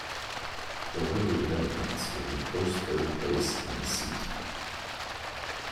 The Liberal Democrats were in a close third place in the seat.